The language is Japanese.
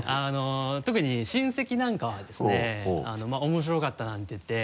特に親戚なんかはですね面白かったなんて言って。